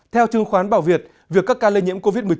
theo chương khoán bảo việt việc các ca lây nhiễm covid một mươi chín